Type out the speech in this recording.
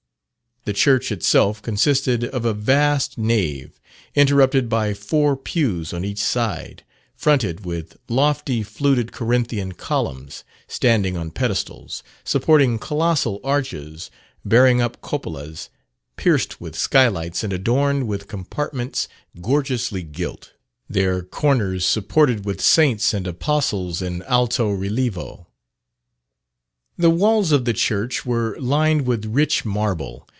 The church itself consisted of a vast nave, interrupted by four pews on each side, fronted with lofty fluted Corinthian columns standing on pedestals, supporting colossal arches, bearing up cupolas, pierced with skylights and adorned with compartments gorgeously gilt; their corners supported with saints and apostles in alto relievo. The walls of the church were lined with rich marble.